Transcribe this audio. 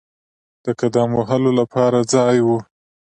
د قدم وهلو لپاره ځای وو.